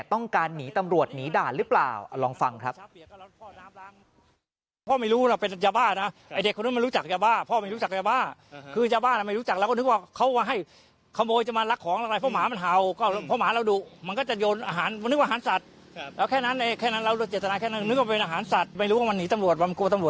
ต้องการหนีตำรวจหนีด่านหรือเปล่าลองฟังครับ